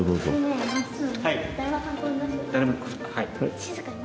静かにね。